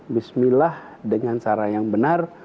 bismillah dengan cara yang benar